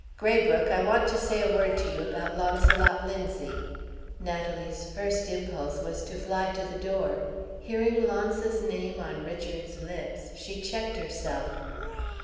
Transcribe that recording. "Graybrooke, I want to say a word to you about Launcelot Linzie." Natalie's first impulse was to fly to the door. Hearing Launce's name on Richard's lips, she checked herself.